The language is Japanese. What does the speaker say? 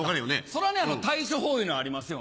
そりゃ対処法ゆうのありますよ。